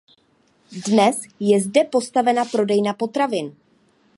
Dnes je zde postavena prodejna potravin.